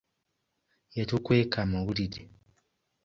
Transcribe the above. Yatukweeka amawulire.